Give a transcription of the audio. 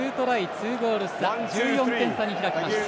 ２ゴール差１４点差に開きました。